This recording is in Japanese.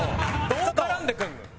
どう絡んでくるのよ。